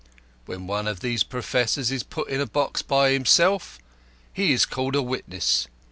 When one of these professors is put in a box by himself, he is called a witness.